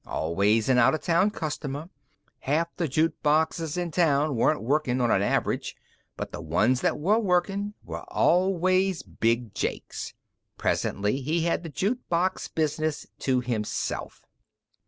Always a out of town customer. Half the juke boxes in town weren't workin', on an average. But the ones that were workin' were always Big Jake's. Presently he had the juke box business to himself."